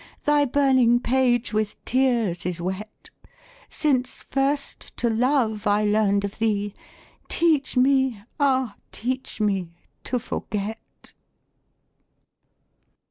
Thy burning page with tears is wet , Since first 'to love' I learned of thee. Teach me, ah ! teach me ' to forget